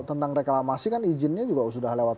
tentang reklamasi kan izinnya juga sudah lewat